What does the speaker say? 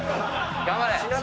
頑張れ！